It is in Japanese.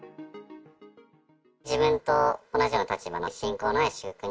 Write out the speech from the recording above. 自分と同じような立場の信仰のない祝福